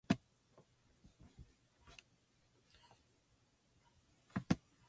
One of the merchant ships that rescued the crew was the Danish vessel "Hope".